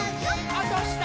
あ、どした！